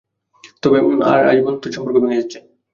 আর আজ বন্ধুত্বের সম্পর্ক ভেঙে যাচ্ছে।